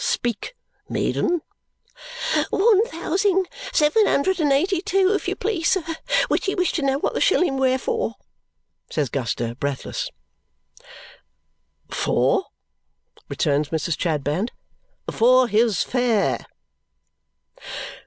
Speak, maiden!" "One thousing seven hundred and eighty two, if you please, sir. Which he wish to know what the shilling ware for," says Guster, breathless. "For?" returns Mrs. Chadband. "For his fare!"